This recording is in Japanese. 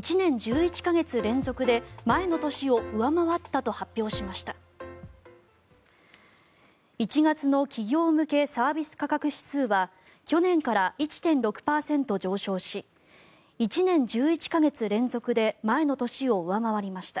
１月の企業向けサービス価格指数は去年から１．６％上昇し１年１１か月連続で前の年を上回りました。